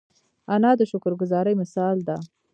انا د شکر ګذاري مثال ده